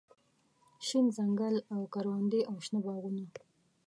شين ځنګل او کروندې او شنه باغونه